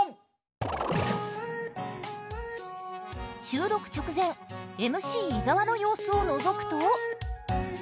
収録直前ＭＣ伊沢の様子をのぞくと。